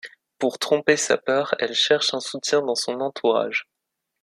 Pour tromper sa peur, elle cherche un soutien dans son entourage.